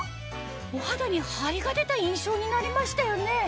お肌にハリが出た印象になりましたよね